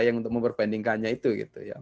yang untuk memperbandingkannya itu gitu ya